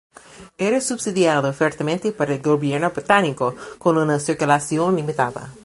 Era subsidiado fuertemente por el gobierno británico, con una circulación limitada.